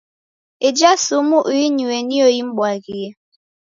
Ija sumu uinyue niyo imbwaghie.